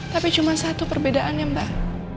tapi cuma satu perbedaannya mbak